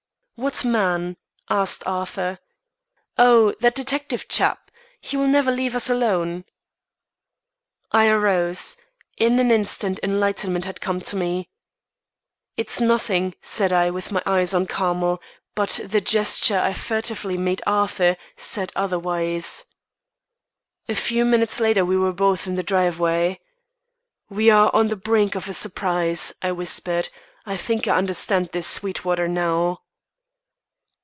"What man?" asked Arthur. "Oh, that detective chap. He never will leave us alone." I arose. In an instant enlightenment had come to me. "It's nothing," said I with my eyes on Carmel; but the gesture I furtively made Arthur, said otherwise. A few minutes later we were both in the driveway. "We are on the brink of a surprise," I whispered. "I think I understand this Sweetwater now."